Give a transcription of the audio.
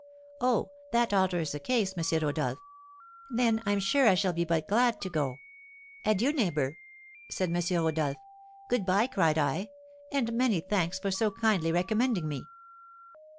'Oh, that alters the case, M. Rodolph, then I'm sure I shall be but too glad to go.' 'Adieu, neighbour,' said M. Rodolph. 'Good bye,' cried I, 'and many thanks for so kindly recommending me.'